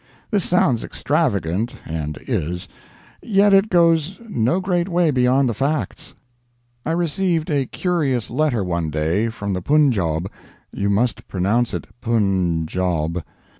This sounds extravagant and is; yet it goes no great way beyond the facts. I received a curious letter one day, from the Punjab (you must pronounce it Punjawb).